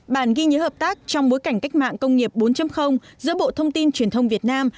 bản ghi nhớ hợp tác trong bối cảnh cách mạng công nghiệp bốn giữa bộ thông tin truyền thông việt nam